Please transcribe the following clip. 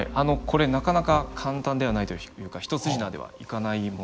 これなかなか簡単ではないというか一筋縄ではいかない問題でして。